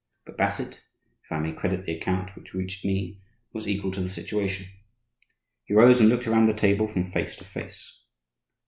But Bassett, if I may credit the account which reached me, was equal to the situation. He rose, and looked around the table from face to face.